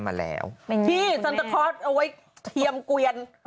เอาไว้เทียมเกวียน